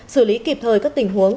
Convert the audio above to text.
xử lý kịp thời các tình huống